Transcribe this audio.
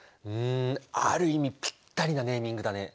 んある意味ぴったりなネーミングだね。